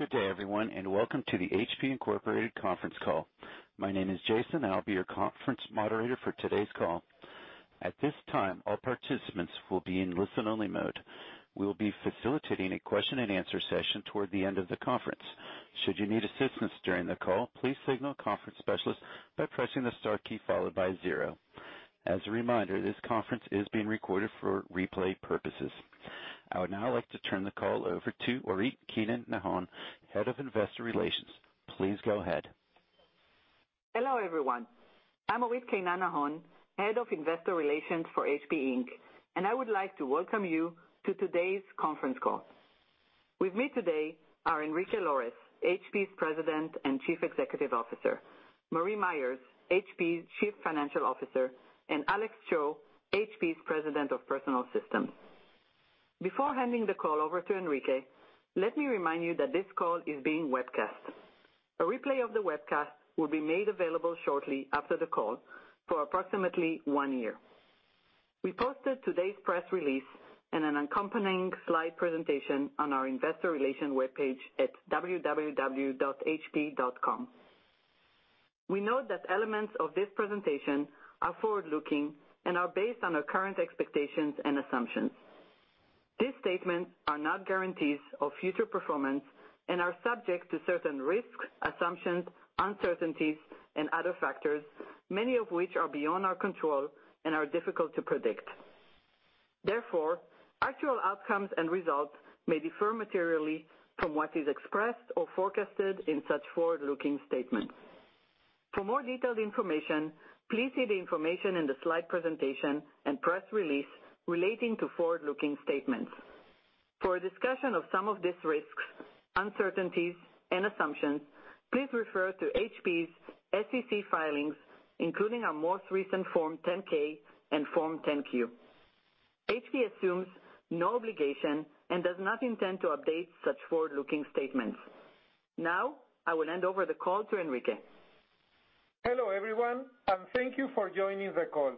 Good day, everyone, and welcome to the HP Incorporated Conference Call. My name is Jason, and I'll be your conference moderator for today's call. At this time, all participants will be in listen-only mode. We'll be facilitating a question-and-answer session toward the end of the conference. Should you need assistance during the call, please signal a conference specialist by pressing the star key followed by zero. As a reminder, this conference is being recorded for replay purposes. I would now like to turn the call over to Orit Keinan-Nahon, Head of Investor Relations. Please go ahead. Hello, everyone. I'm Orit Keinan-Nahon, Head of Investor Relations for HP Inc, and I would like to welcome you to today's conference call. With me today are Enrique Lores, HP's President and Chief Executive Officer, Marie Myers, HP's Chief Financial Officer, and Alex Cho, HP's President of Personal Systems. Before handing the call over to Enrique, let me remind you that this call is being webcast. A replay of the webcast will be made available shortly after the call for approximately one year. We posted today's press release and an accompanying slide presentation on our investor relations webpage at www.hp.com. We note that elements of this presentation are forward-looking and are based on our current expectations and assumptions. These statements are not guarantees of future performance and are subject to certain risks, assumptions, uncertainties, and other factors, many of which are beyond our control and are difficult to predict. Therefore, actual outcomes and results may differ materially from what is expressed or forecasted in such forward-looking statements. For more detailed information, please see the information in the slide presentation and press release relating to forward-looking statements. For a discussion of some of these risks, uncertainties, and assumptions, please refer to HP's SEC filings, including our most recent Form 10-K and Form 10-Q. HP assumes no obligation and does not intend to update such forward-looking statements. Now, I will hand over the call to Enrique. Hello, everyone, and thank you for joining the call.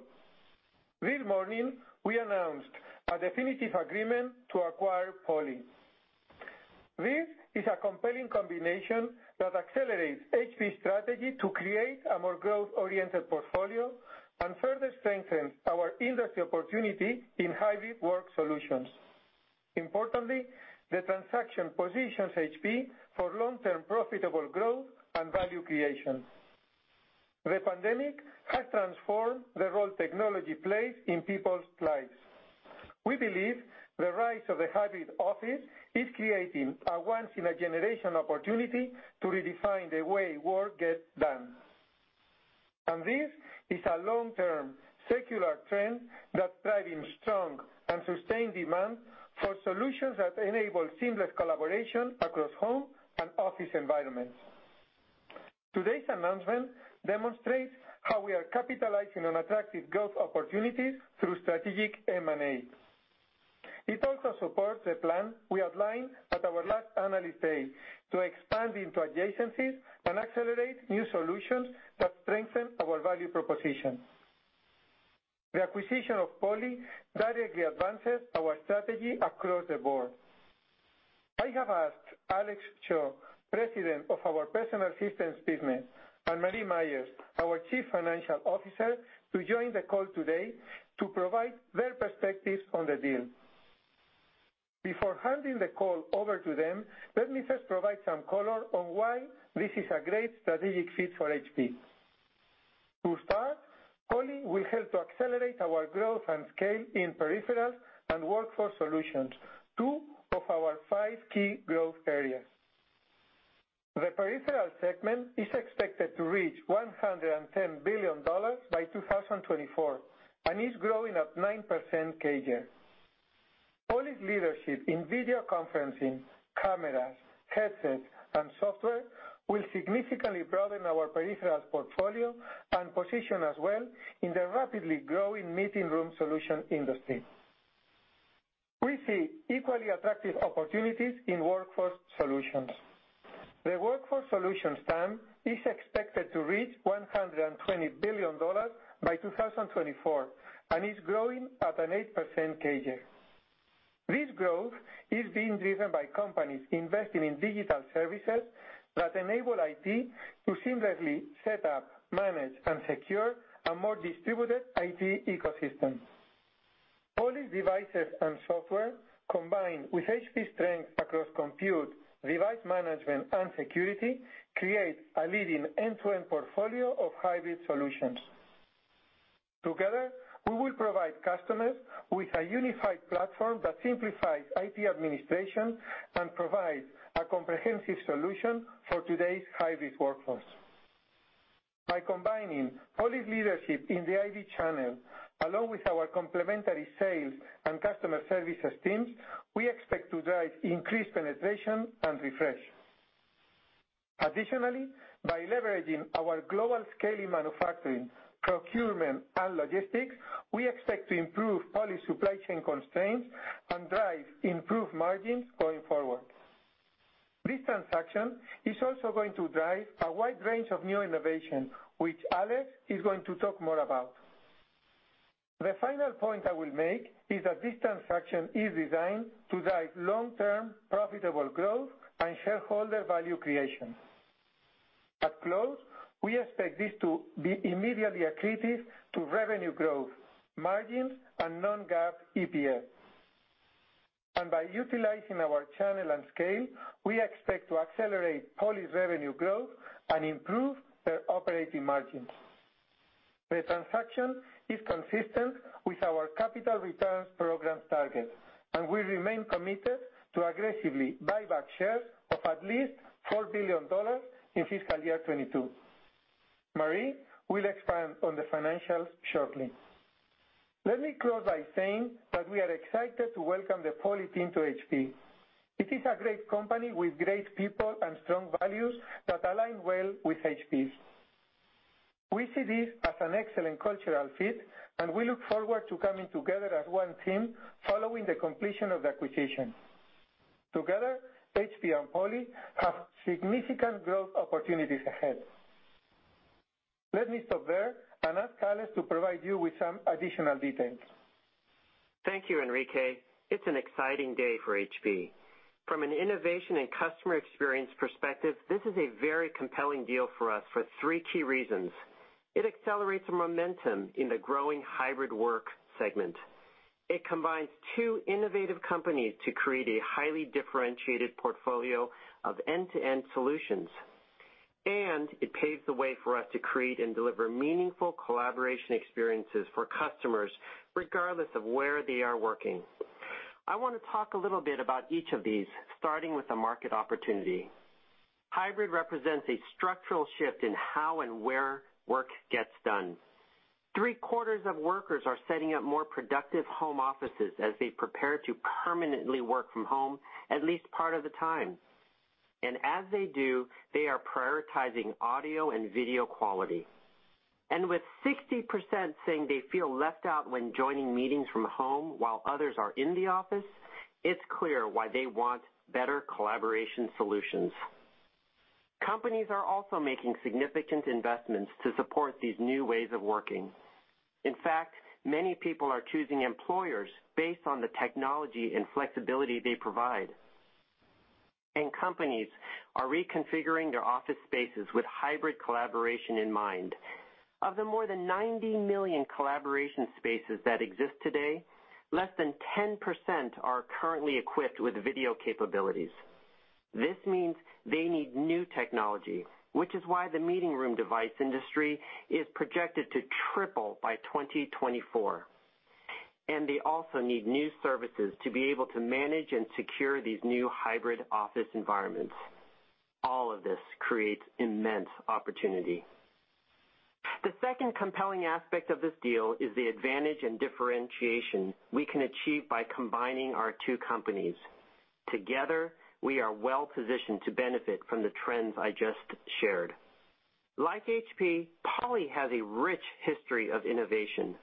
This morning, we announced a definitive agreement to acquire Poly. This is a compelling combination that accelerates HP's strategy to create a more growth-oriented portfolio and further strengthens our industry opportunity in hybrid work solutions. Importantly, the transaction positions HP for long-term profitable growth and value creation. The pandemic has transformed the role technology plays in people's lives. We believe the rise of the hybrid office is creating a once-in-a-generation opportunity to redefine the way work gets done. This is a long-term secular trend that's driving strong and sustained demand for solutions that enable seamless collaboration across home and office environments. Today's announcement demonstrates how we are capitalizing on attractive growth opportunities through strategic M&A. It also supports the plan we outlined at our last Analyst Day to expand into adjacencies and accelerate new solutions that strengthen our value proposition. The acquisition of Poly directly advances our strategy across the board. I have asked Alex Cho, President of our Personal Systems business, and Marie Myers, our Chief Financial Officer, to join the call today to provide their perspectives on the deal. Before handing the call over to them, let me first provide some color on why this is a great strategic fit for HP. To start, Poly will help to accelerate our growth and scale in peripherals and workforce solutions, two of our five key growth areas. The peripherals segment is expected to reach $110 billion by 2024 and is growing at 9% CAGR. Poly's leadership in video conferencing, cameras, headsets, and software will significantly broaden our peripherals portfolio and position us well in the rapidly growing meeting room solution industry. We see equally attractive opportunities in workforce solutions. The workforce solutions TAM is expected to reach $120 billion by 2024 and is growing at an 8% CAGR. This growth is being driven by companies investing in digital services that enable IT to seamlessly set up, manage, and secure a more distributed IT ecosystem. Poly's devices and software, combined with HP's strength across compute, device management, and security, create a leading end-to-end portfolio of hybrid solutions. Together, we will provide customers with a unified platform that simplifies IT administration and provides a comprehensive solution for today's hybrid workforce. By combining Poly's leadership in the AV channel, along with our complementary sales and customer services teams, we expect to drive increased penetration and refresh. Additionally, by leveraging our global scaling, manufacturing, procurement, and logistics, we expect to improve Poly's supply chain constraints and drive improved margins going forward. This transaction is also going to drive a wide range of new innovation, which Alex is going to talk more about. The final point I will make is that this transaction is designed to drive long-term profitable growth and shareholder value creation. At close, we expect this to be immediately accretive to revenue growth, margins, and non-GAAP EPS. By utilizing our channel and scale, we expect to accelerate Poly's revenue growth and improve their operating margins. The transaction is consistent with our capital returns program's target, and we remain committed to aggressively buy back shares of at least $4 billion in FY 2022. Marie will expand on the financials shortly. Let me close by saying that we are excited to welcome the Poly team to HP. It is a great company with great people and strong values that align well with HP's. We see this as an excellent cultural fit, and we look forward to coming together as one team following the completion of the acquisition. Together, HP and Poly have significant growth opportunities ahead. Let me stop there and ask Alex to provide you with some additional details. Thank you, Enrique. It's an exciting day for HP. From an innovation and customer experience perspective, this is a very compelling deal for us for three key reasons. It accelerates the momentum in the growing hybrid work segment. It combines two innovative companies to create a highly differentiated portfolio of end-to-end solutions. It paves the way for us to create and deliver meaningful collaboration experiences for customers, regardless of where they are working. I want to talk a little bit about each of these, starting with the market opportunity. Hybrid represents a structural shift in how and where work gets done. Three-quarters of workers are setting up more productive home offices as they prepare to permanently work from home at least part of the time. As they do, they are prioritizing audio and video quality. With 60% saying they feel left out when joining meetings from home while others are in the office, it's clear why they want better collaboration solutions. Companies are also making significant investments to support these new ways of working. In fact, many people are choosing employers based on the technology and flexibility they provide. Companies are reconfiguring their office spaces with hybrid collaboration in mind. Of the more than 90 million collaboration spaces that exist today, less than 10% are currently equipped with video capabilities. This means they need new technology, which is why the meeting room device industry is projected to triple by 2024. They also need new services to be able to manage and secure these new hybrid office environments. All of this creates immense opportunity. The second compelling aspect of this deal is the advantage and differentiation we can achieve by combining our two companies. Together, we are well-positioned to benefit from the trends I just shared. Like HP, Poly has a rich history of innovation.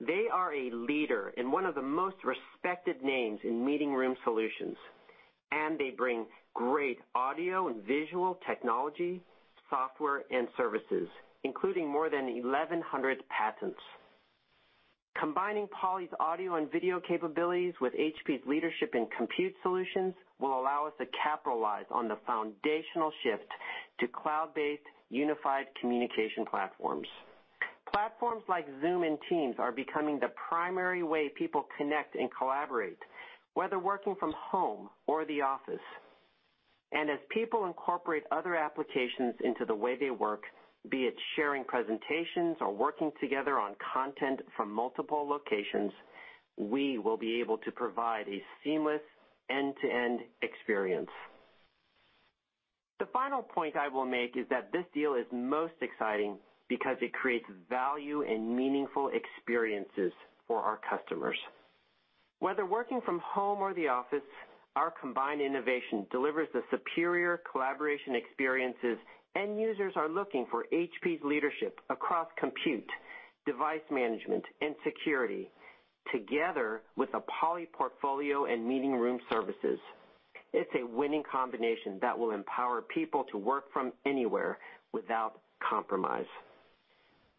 They are a leader and one of the most respected names in meeting room solutions, and they bring great audio and visual technology, software, and services, including more than 1,100 patents. Combining Poly's audio and video capabilities with HP's leadership in compute solutions will allow us to capitalize on the foundational shift to cloud-based unified communication platforms. Platforms like Zoom and Teams are becoming the primary way people connect and collaborate, whether working from home or the office. As people incorporate other applications into the way they work, be it sharing presentations or working together on content from multiple locations, we will be able to provide a seamless end-to-end experience. The final point I will make is that this deal is most exciting because it creates value and meaningful experiences for our customers. Whether working from home or the office, our combined innovation delivers the superior collaboration experiences end users are looking for. HP's leadership across compute, device management, and security, together with a Poly portfolio and meeting room services. It's a winning combination that will empower people to work from anywhere without compromise.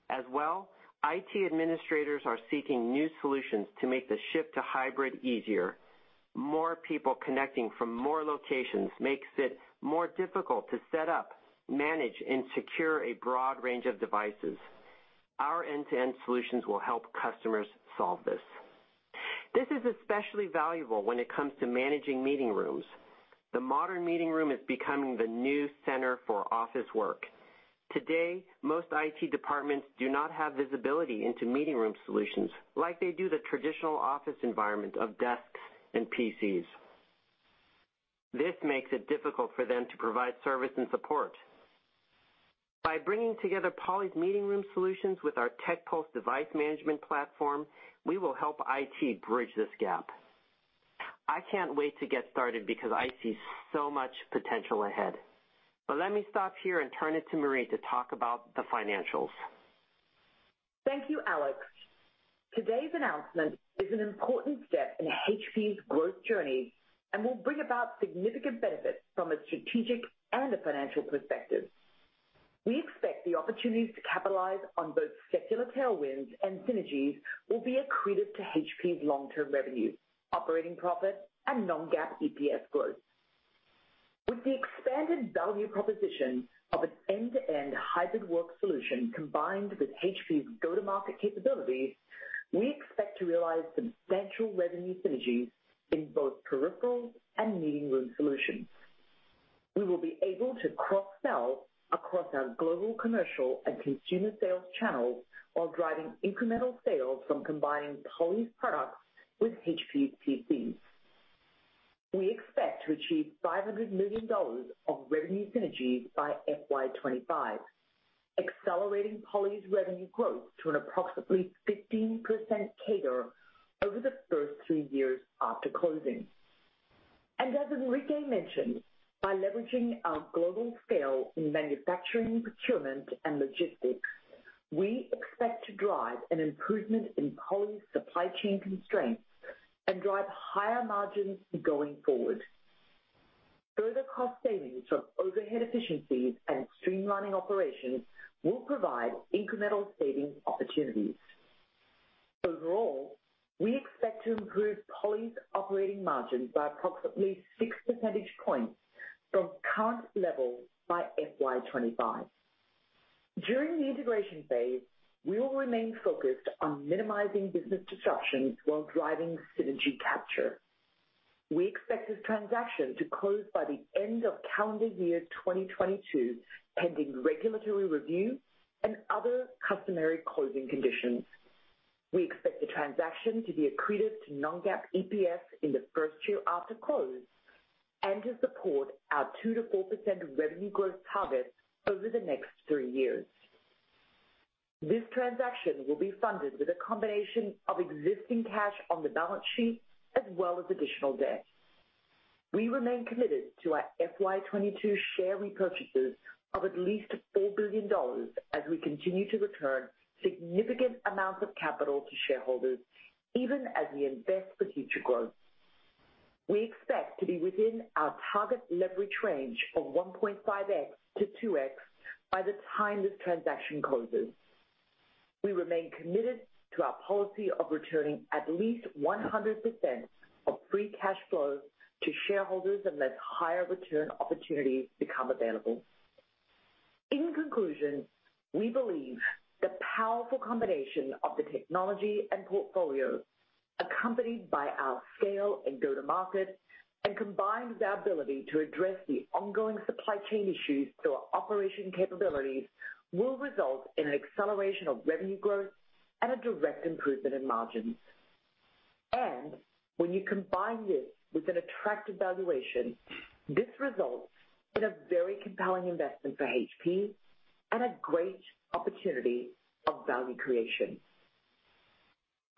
As well, IT administrators are seeking new solutions to make the shift to hybrid easier. More people connecting from more locations makes it more difficult to set up, manage, and secure a broad range of devices. Our end-to-end solutions will help customers solve this. This is especially valuable when it comes to managing meeting rooms. The modern meeting room is becoming the new center for office work. Today, most IT departments do not have visibility into meeting room solutions like they do the traditional office environment of desks and PCs. This makes it difficult for them to provide service and support. By bringing together Poly's meeting room solutions with our TechPulse device management platform, we will help IT bridge this gap. I can't wait to get started because I see so much potential ahead. Let me stop here and turn it to Marie to talk about the financials. Thank you, Alex. Today's announcement is an important step in HP's growth journey and will bring about significant benefits from a strategic and a financial perspective. We expect the opportunities to capitalize on both secular tailwinds and synergies will be accretive to HP's long-term revenue, operating profit, and non-GAAP EPS growth. With the expanded value proposition of an end-to-end hybrid work solution, combined with HP's go-to-market capabilities, we expect to realize substantial revenue synergies in both peripherals and meeting room solutions. We will be able to cross-sell across our global commercial and consumer sales channels while driving incremental sales from combining Poly's products with HP PCs. We expect to achieve $500 million of revenue synergies by FY 2025, accelerating Poly's revenue growth to an approximately 15% CAGR over the first three years after closing. As Enrique mentioned, by leveraging our global scale in manufacturing, procurement, and logistics, we expect to drive an improvement in Poly's supply chain constraints and drive higher margins going forward. Further cost savings from overhead efficiencies and streamlining operations will provide incremental savings opportunities. Overall, we expect to improve Poly's operating margin by approximately 6 percentage points from current levels by FY 2025. During the integration phase, we will remain focused on minimizing business disruptions while driving synergy capture. We expect this transaction to close by the end of calendar year 2022, pending regulatory review and other customary closing conditions. We expect the transaction to be accretive to non-GAAP EPS in the first year after close and to support our 2%-4% revenue growth target over the next three years. This transaction will be funded with a combination of existing cash on the balance sheet as well as additional debt. We remain committed to our FY 2022 share repurchases of at least $4 billion as we continue to return significant amounts of capital to shareholders even as we invest for future growth. We expect to be within our target leverage range of 1.5x-2x by the time this transaction closes. We remain committed to our policy of returning at least 100% of free cash flows to shareholders unless higher return opportunities become available. In conclusion, we believe the powerful combination of the technology and portfolios, accompanied by our scale and go-to-market, and combined with our ability to address the ongoing supply chain issues through our operation capabilities, will result in an acceleration of revenue growth and a direct improvement in margins. When you combine this with an attractive valuation, this results in a very compelling investment for HP and a great opportunity of value creation.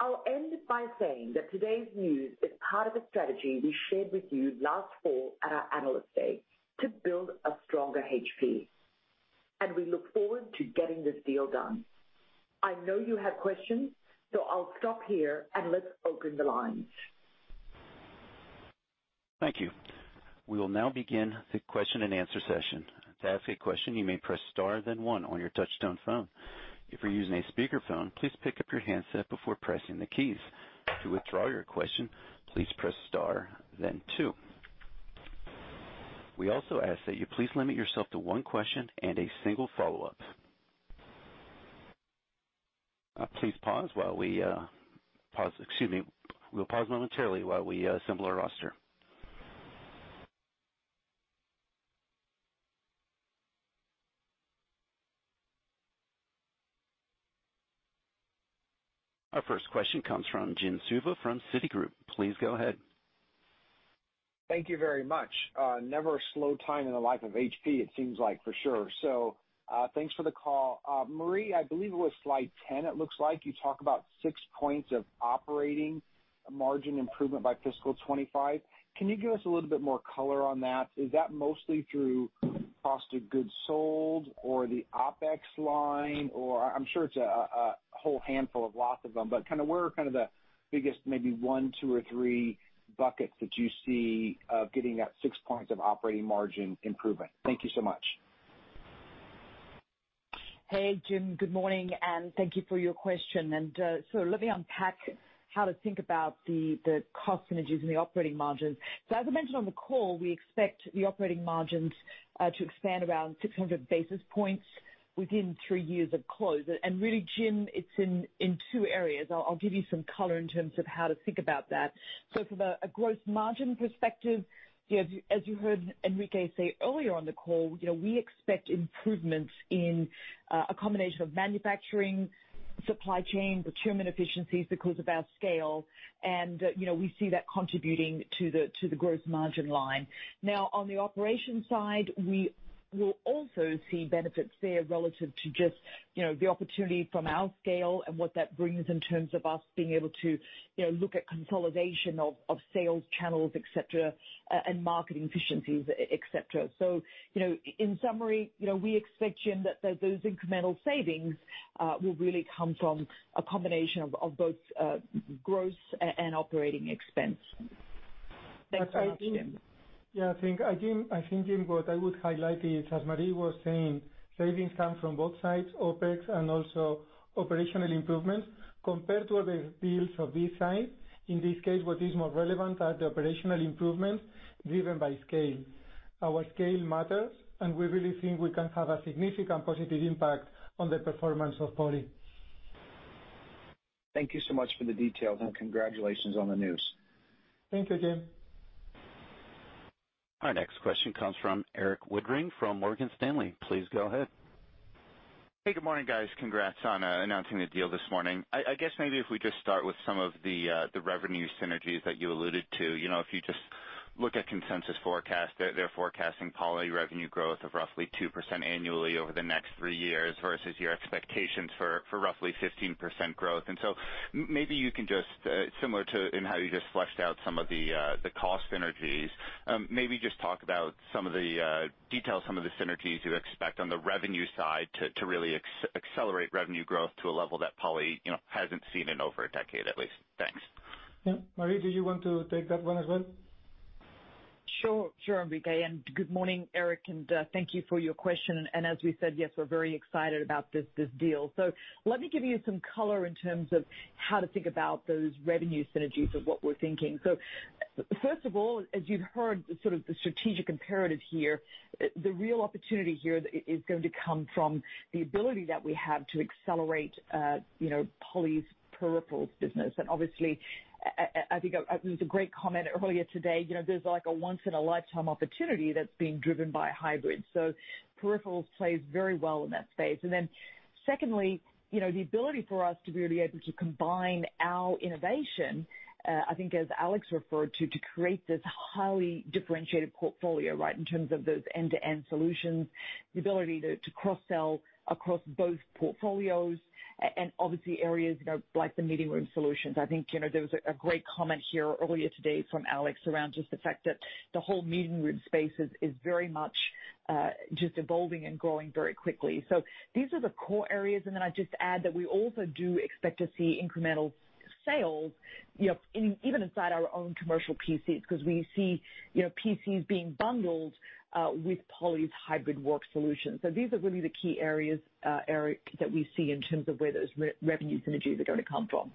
I'll end by saying that today's news is part of a strategy we shared with you last fall at our Analyst Day to build a stronger HP, and we look forward to getting this deal done. I know you have questions, so I'll stop here and let's open the lines. Thank you. We will now begin the question-and-answer session. To ask a question, you may press star then one on your touchtone phone. If you're using a speakerphone, please pick up your handset before pressing the keys. To withdraw your question, please press star then two. We also ask that you please limit yourself to one question and a single follow-up. Excuse me. We'll pause momentarily while we assemble our roster. Our first question comes from Jim Suva from Citigroup. Please go ahead. Thank you very much. Never a slow time in the life of HP, it seems like for sure. Thanks for the call. Marie, I believe it was slide 10, it looks like you talk about 6 points of operating margin improvement by fiscal 2025. Can you give us a little bit more color on that? Is that mostly through cost of goods sold or the OpEx line? Or I'm sure it's a whole handful of lots of them, but kinda where are kind of the biggest, maybe 1, 2, or 3 buckets that you see getting that 6 points of operating margin improvement? Thank you so much. Hey, Jim. Good morning, and thank you for your question. Let me unpack how to think about the cost synergies and the operating margins. As I mentioned on the call, we expect the operating margins to expand around 600 basis points within 3 years of close. Really, Jim, it's in two areas. I'll give you some color in terms of how to think about that. From a gross margin perspective, you know, as you heard Enrique say earlier on the call, you know, we expect improvements in a combination of manufacturing, supply chain, procurement efficiencies because of our scale. You know, we see that contributing to the gross margin line. Now, on the operation side, we will also see benefits there relative to just, you know, the opportunity from our scale and what that brings in terms of us being able to, you know, look at consolidation of sales channels, et cetera, and marketing efficiencies, et cetera. You know, in summary, you know, we expect, Jim, that those incremental savings will really come from a combination of both gross and operating expense. Thanks so much, Jim. Yeah, I think, Jim, what I would highlight is, as Marie was saying, savings come from both sides, OpEx and also operational improvements compared to the deals of this size. In this case, what is more relevant are the operational improvements driven by scale. Our scale matters, and we really think we can have a significant positive impact on the performance of Poly. Thank you so much for the details, and congratulations on the news. Thank you, Jim. Our next question comes from Erik Woodring from Morgan Stanley. Please go ahead. Hey, good morning, guys. Congrats on announcing the deal this morning. I guess maybe if we just start with some of the revenue synergies that you alluded to. You know, if you just look at consensus forecast, they're forecasting Poly revenue growth of roughly 2% annually over the next three years versus your expectations for roughly 15% growth. Maybe you can just, similar to in how you just fleshed out some of the cost synergies, maybe just talk about some of the detail some of the synergies you expect on the revenue side to really accelerate revenue growth to a level that Poly, you know, hasn't seen in over a decade, at least. Thanks. Yeah. Marie, do you want to take that one as well? Sure, Enrique. Good morning, Eric, and thank you for your question. As we said, yes, we're very excited about this deal. Let me give you some color in terms of how to think about those revenue synergies of what we're thinking. First of all, as you've heard, the sort of strategic imperative here, the real opportunity here is going to come from the ability that we have to accelerate, you know, Poly's peripherals business. Obviously, I think it was a great comment earlier today, you know, there's like a once in a lifetime opportunity that's being driven by hybrid. Peripherals plays very well in that space. Then secondly, you know, the ability for us to be able to combine our innovation, I think as Alex referred to create this highly differentiated portfolio, right? In terms of those end-to-end solutions, the ability to cross-sell across both portfolios and obviously areas, you know, like the meeting room solutions. I think, you know, there was a great comment here earlier today from Alex around just the fact that the whole meeting room space is very much just evolving and growing very quickly. These are the core areas. Then I just add that we also do expect to see incremental sales, you know, in even inside our own commercial PCs, because we see, you know, PCs being bundled with Poly's hybrid work solution. These are really the key areas, Eric, that we see in terms of where those revenue synergies are gonna come from.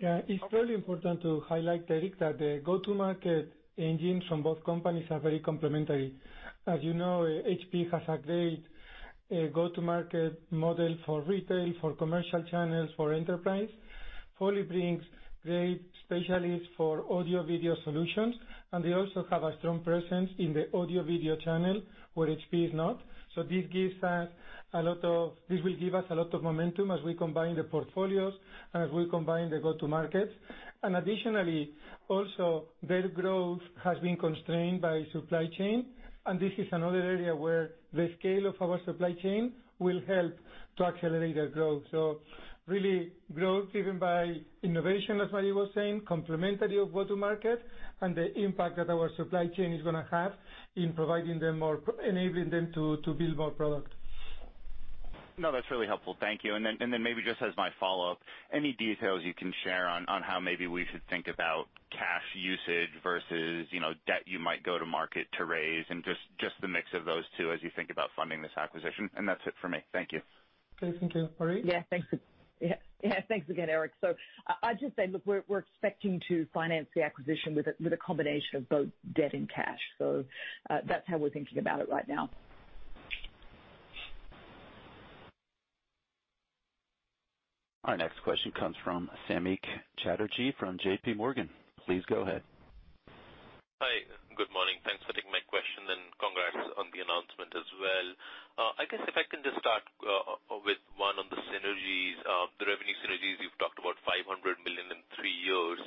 Yeah. It's really important to highlight, Erik, that the go-to-market engines from both companies are very complementary. As you know, HP has a great go-to-market model for retail, for commercial channels, for enterprise. Poly brings great specialists for audio video solutions, and they also have a strong presence in the audio video channel where HP is not. This will give us a lot of momentum as we combine the portfolios and as we combine the go-to markets. Additionally, also, their growth has been constrained by supply chain, and this is another area where the scale of our supply chain will help to accelerate their growth. Really growth driven by innovation, as Marie was saying, complement to go-to-market, and the impact that our supply chain is gonna have in enabling them to build more product. No, that's really helpful. Thank you. Maybe just as my follow-up, any details you can share on how maybe we should think about cash usage versus, you know, debt you might go to market to raise and just the mix of those two as you think about funding this acquisition. That's it for me. Thank you. Okay. Thank you. Marie? Thanks again, Eric. I'd just say, look, we're expecting to finance the acquisition with a combination of both debt and cash. That's how we're thinking about it right now. Our next question comes from Samik Chatterjee from JPMorgan. Please go ahead. Hi. Good morning. Thanks for taking my question, and congrats on the announcement as well. I guess if I can just start with one on the synergies, the revenue synergies. You've talked about $500 million in 3 years.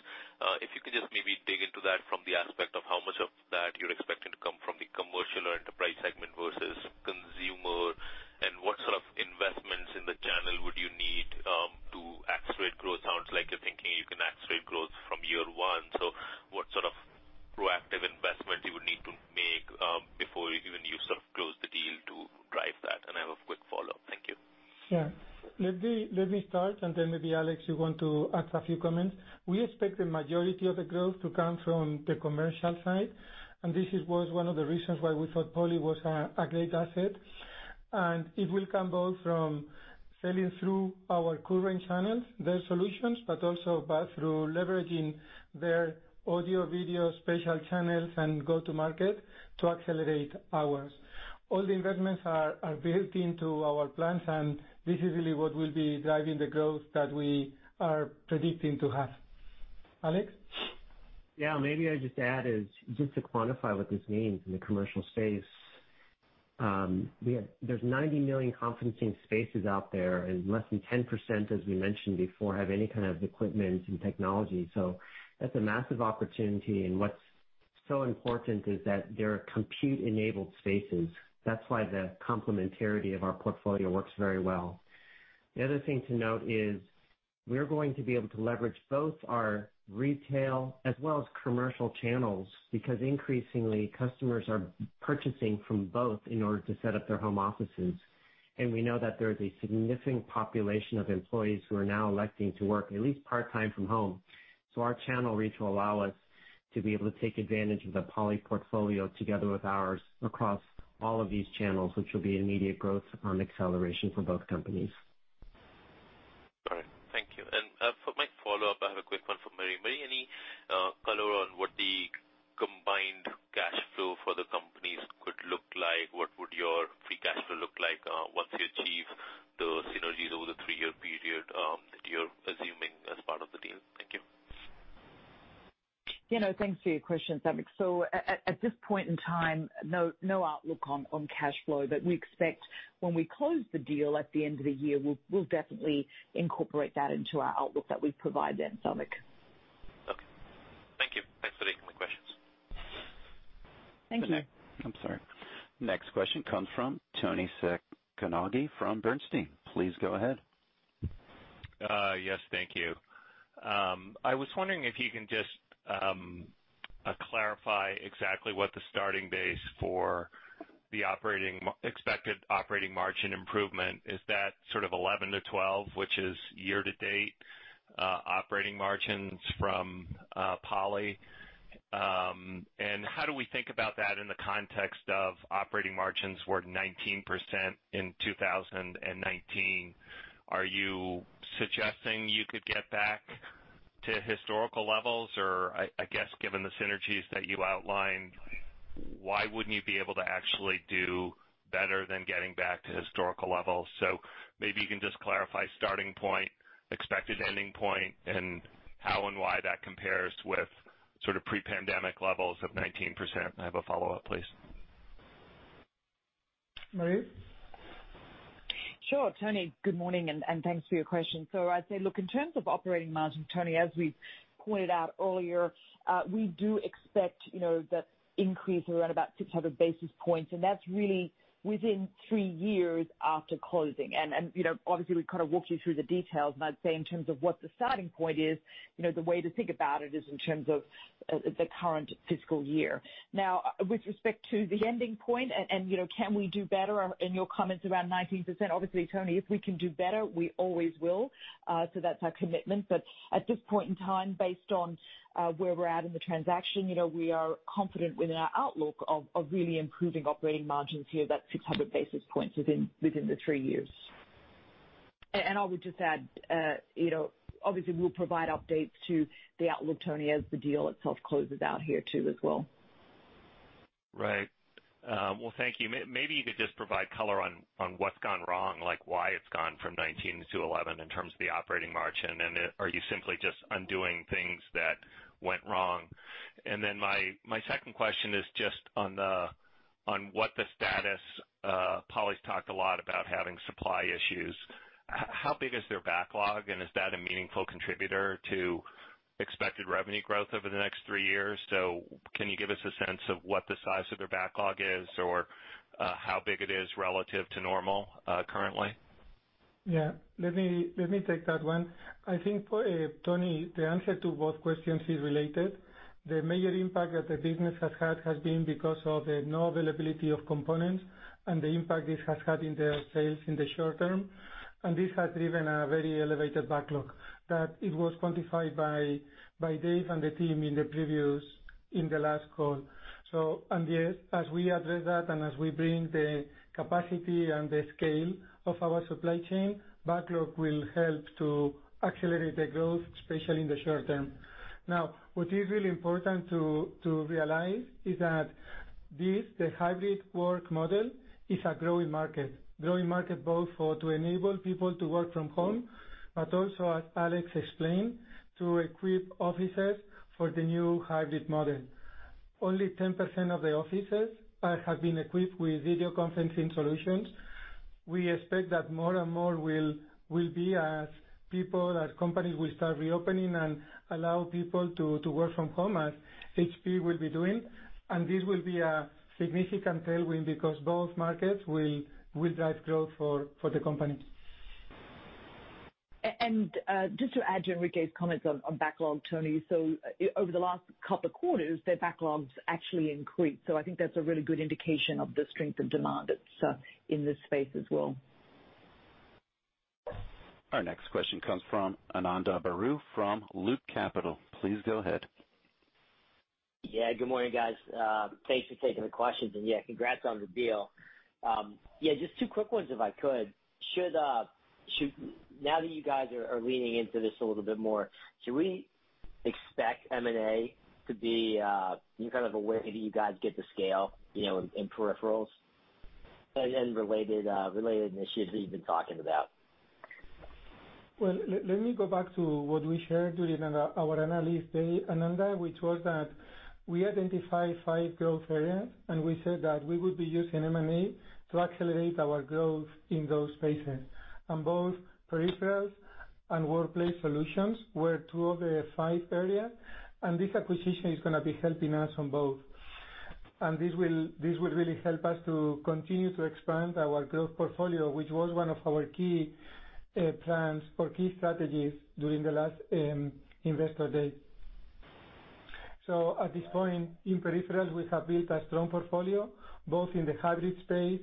If you could just maybe dig into that from the aspect of how much of that you're expecting to come from the commercial or enterprise segment versus consumer, and what sort of investments in the channel would you need to accelerate growth? Sounds like you're thinking you can accelerate growth from year one. What sort of proactive investments you would need to make before even you sort of close the deal to drive that? I have a quick follow-up. Thank you. Sure. Let me start, and then maybe Alex, you want to add a few comments. We expect the majority of the growth to come from the commercial side, and this was one of the reasons why we thought Poly was a great asset. It will come both from selling through our current channels, their solutions, but also through leveraging their audio, video, spatial channels and go-to-market to accelerate ours. All the investments are built into our plans, and this is really what will be driving the growth that we are predicting to have. Alex? Maybe I'll just add, it's just to quantify what this means in the commercial space. There's 90 million conferencing spaces out there, and less than 10%, as we mentioned before, have any kind of equipment and technology. That's a massive opportunity, and what's so important is that they're compute-enabled spaces. That's why the complementarity of our portfolio works very well. The other thing to note is we're going to be able to leverage both our retail as well as commercial channels, because increasingly customers are purchasing from both in order to set up their home offices. We know that there is a significant population of employees who are now electing to work at least part-time from home. Our channel reach will allow us to be able to take advantage of the Poly portfolio together with ours across all of these channels, which will be an immediate growth and acceleration for both companies. All right. Thank you. For my follow-up, I have a quick one for Marie. Marie, any color on what the combined cash flow for the companies could look like? What would your free cash flow look like once you achieve the synergies over the three-year period that you're assuming as part of the deal? Thank you. You know, thanks for your question, Samik. At this point in time, no outlook on cash flow. We expect when we close the deal at the end of the year, we'll definitely incorporate that into our outlook that we provide then, Samik. Okay. Thank you. Thanks for taking my questions. Thank you. I'm sorry. Next question comes from Toni Sacconaghi from Bernstein. Please go ahead. Yes, thank you. I was wondering if you can just clarify exactly what the starting base for the expected operating margin improvement. Is that sort of 11%-12%, which is year-to-date operating margins from Poly? And how do we think about that in the context of operating margins were 19% in 2019? Are you suggesting you could get back to historical levels? Or I guess, given the synergies that you outlined, why wouldn't you be able to actually do better than getting back to historical levels? Maybe you can just clarify starting point, expected ending point, and how and why that compares with sort of pre-pandemic levels of 19%. I have a follow-up, please. Marie? Sure. Toni, good morning, and thanks for your question. I'd say, look, in terms of operating margin, Toni, as we pointed out earlier, we do expect, you know, that increase around about 600 basis points, and that's really within three years after closing. You know, obviously, we kind of walked you through the details, and I'd say in terms of what the starting point is, you know, the way to think about it is in terms of the current fiscal year. Now, with respect to the ending point, you know, can we do better in your comments around 19%? Obviously, Toni, if we can do better, we always will, so that's our commitment. At this point in time, based on where we're at in the transaction, you know, we are confident within our outlook of really improving operating margins here, that 600 basis points within the three years. I would just add, you know, obviously we'll provide updates to the outlook, Toni, as the deal itself closes out here too as well. Right. Well, thank you. Maybe you could just provide color on what's gone wrong, like why it's gone from 19%-11% in terms of the operating margin, and are you simply just undoing things that went wrong? My second question is just on what the status, Poly's talked a lot about having supply issues. How big is their backlog, and is that a meaningful contributor to expected revenue growth over the next three years? Can you give us a sense of what the size of their backlog is or how big it is relative to normal currently? Yeah. Let me take that one. I think, Toni, the answer to both questions is related. The major impact that the business has had has been because of the low availability of components and the impact this has had on the sales in the short term. This has driven a very elevated backlog that it was quantified by Dave and the team in the last call. Yes, as we address that and as we bring the capacity and the scale of our supply chain, backlog will help to accelerate the growth, especially in the short term. Now, what is really important to realize is that this, the hybrid work model, is a growing market. Growing market both to enable people to work from home, but also, as Alex explained, to equip offices for the new hybrid model. Only 10% of the offices have been equipped with video conferencing solutions. We expect that more and more will be as people, as companies will start reopening and allow people to work from home, as HP will be doing. This will be a significant tailwind because both markets will drive growth for the company. Just to add to Enrique's comments on backlog, Toni. Over the last couple of quarters, their backlogs actually increased. I think that's a really good indication of the strength and demand that's in this space as well. Our next question comes from Ananda Baruah from Loop Capital. Please go ahead. Yeah, good morning, guys. Thanks for taking the questions. Yeah, congrats on the deal. Yeah, just two quick ones if I could. Now that you guys are leaning into this a little bit more, should we expect M&A to be kind of a way that you guys get to scale, you know, in peripherals and related initiatives that you've been talking about. Well, let me go back to what we shared during our analyst day, Ananda, which was that we identified five growth areas, and we said that we would be using M&A to accelerate our growth in those spaces. Both peripherals and workplace solutions were two of the five areas, and this acquisition is gonna be helping us on both. This will really help us to continue to expand our growth portfolio, which was one of our key plans or key strategies during the last investor day. At this point, in peripherals, we have built a strong portfolio, both in the hybrid space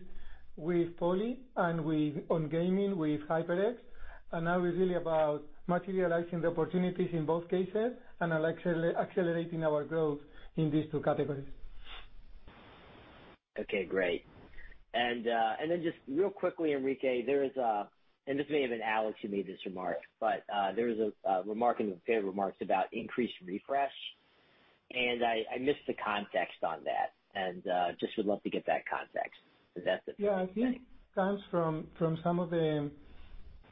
with Poly and with, on gaming with HyperX. Now it's really about materializing the opportunities in both cases and accelerating our growth in these two categories. Okay, great. Then just real quickly, Enrique, there is a. This may have been Alex who made this remark, but, there was a remark in the prepared remarks about increased refresh, and I missed the context on that and just would love to get that context. Is that the Yeah. I think it comes from some of the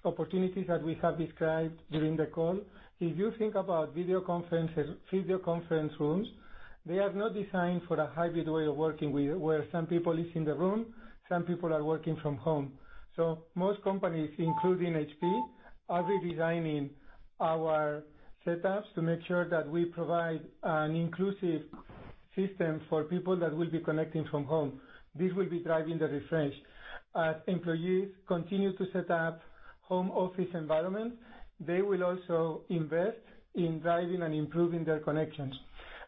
opportunities that we have described during the call. If you think about video conferences, video conference rooms, they are not designed for a hybrid way of working where some people is in the room, some people are working from home. Most companies, including HP, are redesigning our setups to make sure that we provide an inclusive system for people that will be connecting from home. This will be driving the refresh. As employees continue to set up home office environments, they will also invest in driving and improving their connections.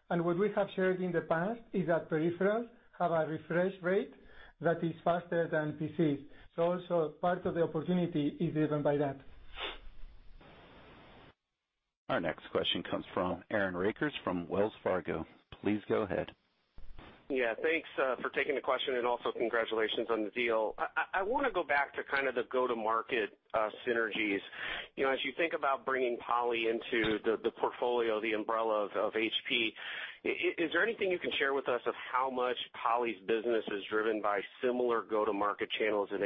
What we have shared in the past is that peripherals have a refresh rate that is faster than PCs. Also part of the opportunity is driven by that. Our next question comes from Aaron Rakers from Wells Fargo. Please go ahead. Yeah. Thanks for taking the question and also congratulations on the deal. I wanna go back to kind of the go-to-market synergies. You know, as you think about bringing Poly into the portfolio, the umbrella of HP, is there anything you can share with us of how much Poly's business is driven by similar go-to-market channels as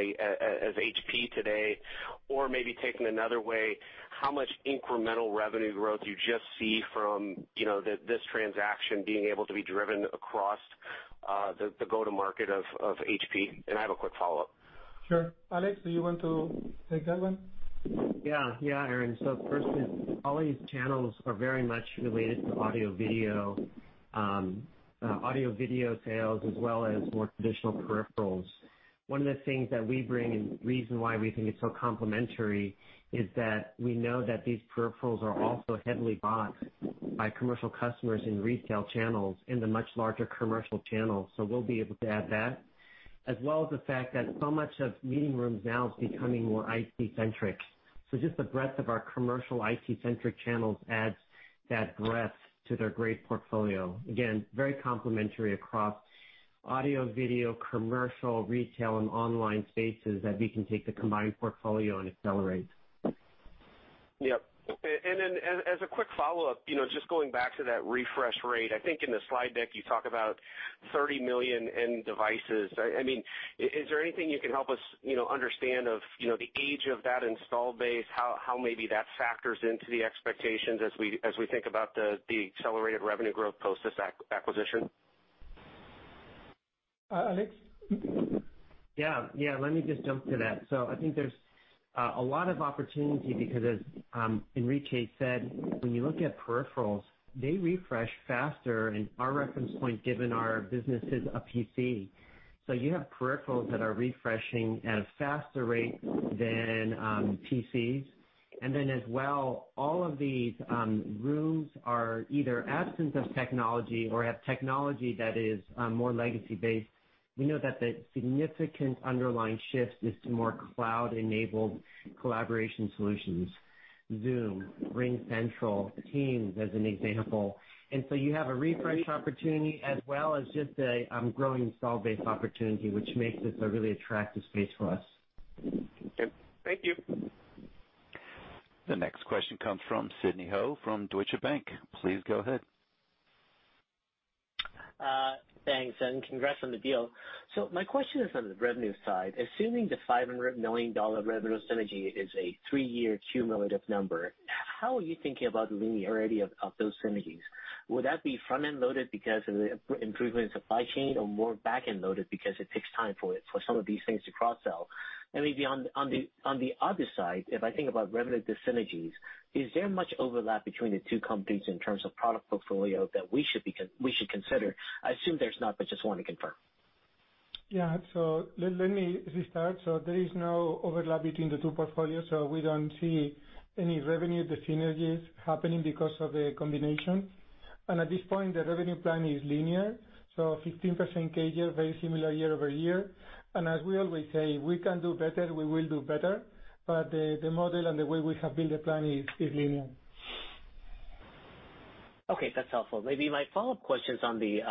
HP today? Or maybe taken another way, how much incremental revenue growth do you just see from, you know, this transaction being able to be driven across the go-to-market of HP? I have a quick follow-up. Sure. Alex, do you want to take that one? Yeah. Yeah, Aaron. Firstly, Poly's channels are very much related to audio and video sales, as well as more traditional peripherals. One of the things that we bring and the reason why we think it's so complementary is that we know that these peripherals are also heavily bought by commercial customers in retail channels, in the much larger commercial channels. We'll be able to add that, as well as the fact that so much of meeting rooms now is becoming more IT centric. Just the breadth of our commercial IT centric channels adds that breadth to their great portfolio. Again, very complementary across audio, video, commercial, retail, and online spaces that we can take the combined portfolio and accelerate. Yep. As a quick follow-up, you know, just going back to that refresh rate, I think in the slide deck you talk about 30 million end devices. I mean, is there anything you can help us, you know, understand, you know, the age of that installed base? How maybe that factors into the expectations as we think about the accelerated revenue growth post this acquisition? Alex? Yeah. Yeah, let me just jump to that. I think there's a lot of opportunity because as Enrique said, when you look at peripherals, they refresh faster, and our reference point given our business is a PC. You have peripherals that are refreshing at a faster rate than PCs. As well, all of these rooms are either absent of technology or have technology that is more legacy based. We know that the significant underlying shift is to more cloud-enabled collaboration solutions, Zoom, RingCentral, Teams, as an example. You have a refresh opportunity as well as just a growing install base opportunity, which makes this a really attractive space for us. Okay. Thank you. The next question comes from Sidney Ho from Deutsche Bank. Please go ahead. Thanks, and congrats on the deal. My question is on the revenue side. Assuming the $500 million revenue synergy is a three-year cumulative number, how are you thinking about the linearity of those synergies? Would that be front-end loaded because of the improvement in supply chain or more back-end loaded because it takes time for some of these things to cross-sell? Maybe on the other side, if I think about revenue dis-synergies, is there much overlap between the two companies in terms of product portfolio that we should consider? I assume there's not, but just want to confirm. Let me restart. There is no overlap between the two portfolios, so we don't see any revenue dis-synergies happening because of the combination. At this point, the revenue plan is linear, so 15% CAGR, very similar year-over-year. As we always say, if we can do better, we will do better. The model and the way we have built the plan is linear. Okay, that's helpful. Maybe my follow-up question's on the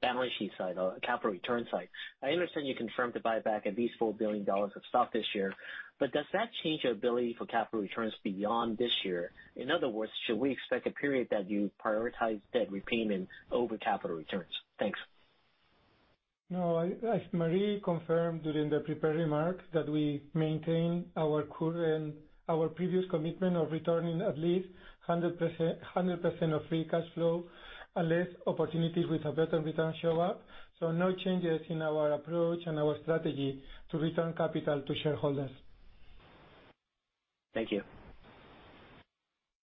balance sheet side or capital return side. I understand you confirmed the buyback at least $4 billion of stock this year, but does that change your ability for capital returns beyond this year? In other words, should we expect a period that you prioritize debt repayment over capital returns? Thanks. No. As Marie confirmed during the prepared remarks, that we maintain our previous commitment of returning at least 100% of free cash flow unless opportunities with a better return show up. No changes in our approach and our strategy to return capital to shareholders. Thank you.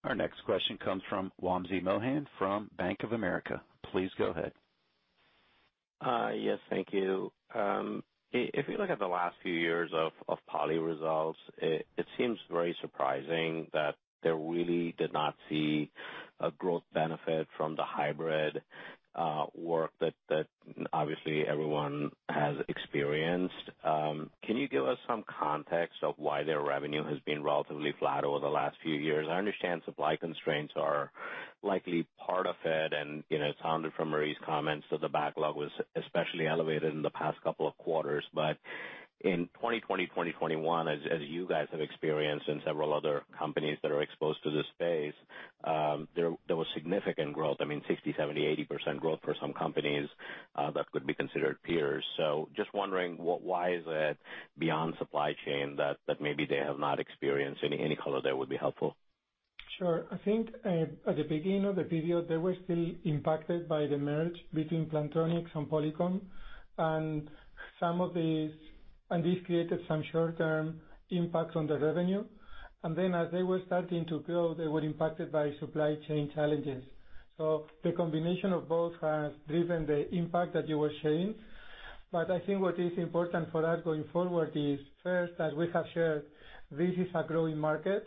Our next question comes from Wamsi Mohan from Bank of America. Please go ahead. Yes, thank you. If you look at the last few years of Poly results, it seems very surprising that they really did not see a growth benefit from the hybrid work that obviously everyone has experienced. Can you give us some context of why their revenue has been relatively flat over the last few years? I understand supply constraints are likely part of it, and you know, it sounded from Marie's comments that the backlog was especially elevated in the past couple of quarters. In 2020, 2021, as you guys have experienced and several other companies that are exposed to this space, there was significant growth. I mean, 60%, 70%, 80% growth for some companies that could be considered peers. Just wondering why is it, beyond supply chain, that maybe they have not experienced. Any color there would be helpful. Sure. I think at the beginning of the video, they were still impacted by the merger between Plantronics and Polycom, and this created some short-term impacts on the revenue. Then as they were starting to grow, they were impacted by supply chain challenges. The combination of both has driven the impact that you were sharing. I think what is important for us going forward is, first, as we have shared, this is a growing market.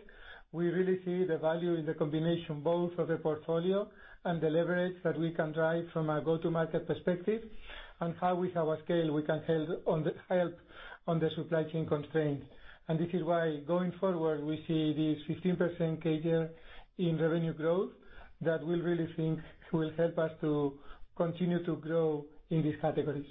We really see the value in the combination both of the portfolio and the leverage that we can drive from a go-to-market perspective, and how with our scale we can help on the supply chain constraints. This is why, going forward, we see this 15% CAGR in revenue growth that we really think will help us to continue to grow in these categories.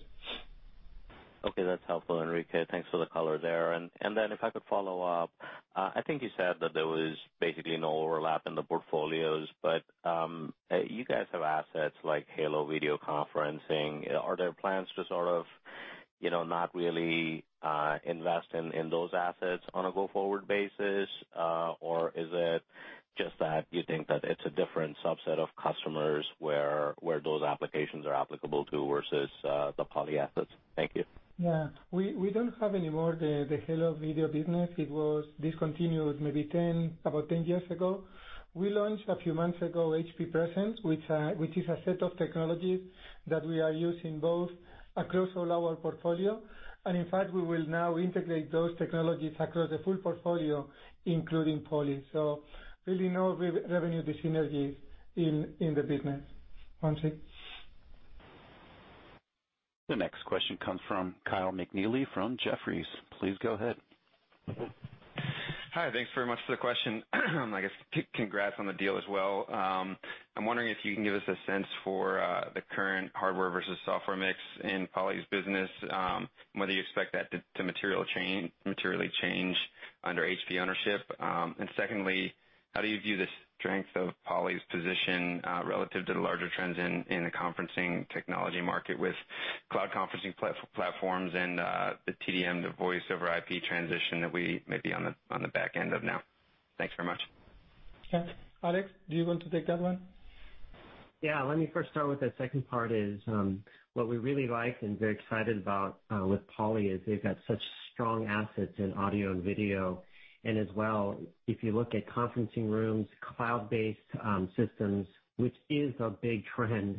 Okay, that's helpful, Enrique. Thanks for the color there. If I could follow up, I think you said that there was basically no overlap in the portfolios, but you guys have assets like Halo video conferencing. Are there plans to sort of, you know, not really invest in those assets on a go-forward basis? Or is it just that you think that it's a different subset of customers where those applications are applicable to versus the Poly assets? Thank you. Yeah. We don't have anymore the Halo video business. It was discontinued about 10 years ago. We launched a few months ago HP Presence, which is a set of technologies that we are using both across all our portfolio. In fact, we will now integrate those technologies across the full portfolio, including Poly. So really no revenue dyssynergies in the business. Jason? The next question comes from Kyle McNealy from Jefferies. Please go ahead. Hi. Thanks very much for the question. I guess, congrats on the deal as well. I'm wondering if you can give us a sense for the current hardware versus software mix in Poly's business, and whether you expect that to materially change under HP ownership. Secondly, how do you view the strength of Poly's position relative to the larger trends in the conferencing technology market with cloud conferencing platforms and the TDM to Voice over IP transition that we may be on the back end of now? Thanks very much. Sure. Alex, do you want to take that one? Yeah. Let me first start with the second part is, what we really like and very excited about, with Poly is they've got such strong assets in audio and video. As well, if you look at conferencing rooms, cloud-based systems, which is a big trend,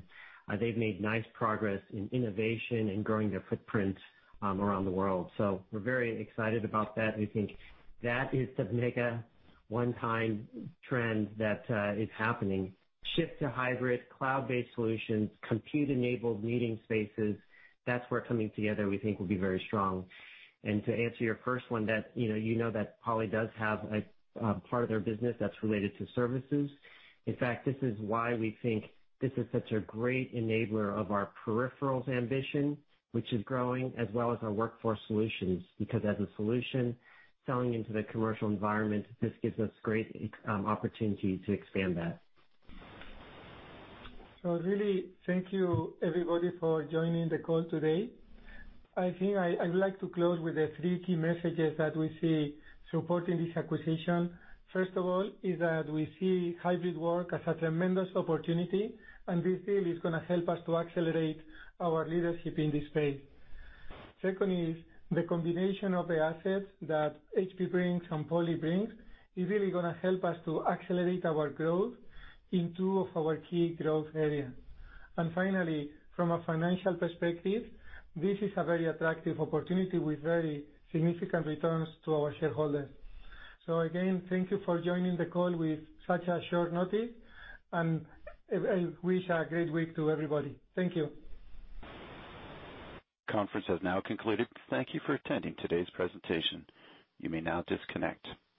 they've made nice progress in innovation and growing their footprint, around the world. We're very excited about that. We think that is the mega one-time trend that is happening. Shift to hybrid, cloud-based solutions, compute-enabled meeting spaces, that's where coming together we think will be very strong. To answer your first one, you know that Poly does have a part of their business that's related to services. In fact, this is why we think this is such a great enabler of our peripherals ambition, which is growing, as well as our workforce solutions, because as a solution, selling into the commercial environment, this gives us great opportunity to expand that. Really, thank you everybody for joining the call today. I think I'd like to close with the three key messages that we see supporting this acquisition. First of all is that we see hybrid work as a tremendous opportunity, and this deal is gonna help us to accelerate our leadership in this space. Secondly is the combination of the assets that HP brings and Poly brings is really gonna help us to accelerate our growth in two of our key growth areas. Finally, from a financial perspective, this is a very attractive opportunity with very significant returns to our shareholders. Again, thank you for joining the call with such a short notice, and I wish a great week to everybody. Thank you. Conference has now concluded. Thank you for attending today's presentation. You may now disconnect.